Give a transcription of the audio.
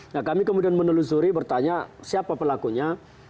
nah kami kemudian menelusuri bertanya siapa pelakunya